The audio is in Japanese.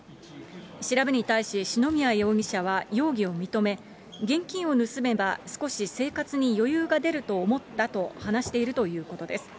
調べに対し篠宮容疑者は容疑を認め、現金を盗めば少し生活に余裕が出ると思ったと話しているということです。